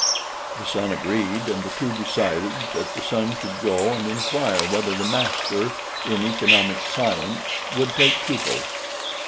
The son agreed, and the two decided that the son should go and inquire whether the master in economic science would take pupils.